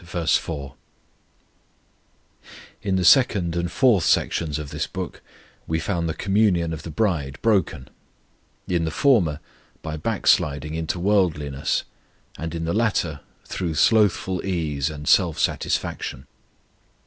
4 IN the second and fourth sections of this book we found the communion of the bride broken; in the former by backsliding into worldliness, and in the latter through slothful ease and self satisfaction.